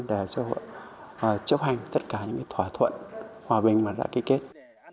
để cho họ chấp hành tất cả những thỏa thuận hòa bình mà đã ký kết